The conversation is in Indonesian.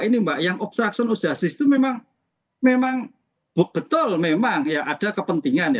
ini mbak yang obstruction of justice itu memang betul memang ya ada kepentingan